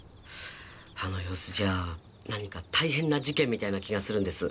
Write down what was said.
あの様子じゃ何か大変な事件みたいな気がするんです